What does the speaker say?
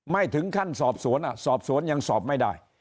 ไม่ถึงขั้นสอบสวนสอบสวนยังสอบไม่ได้